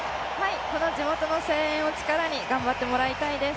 地元の声援を力に頑張ってもらいたいです。